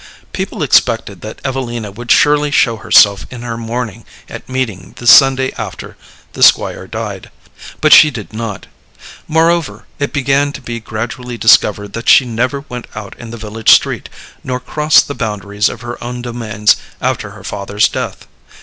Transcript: People expected that Evelina would surely show herself in her mourning at meeting the Sunday after the Squire died, but she did not. Moreover, it began to be gradually discovered that she never went out in the village street nor crossed the boundaries of her own domains after her father's death.